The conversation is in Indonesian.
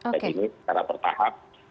jadi ini sekarang bertahap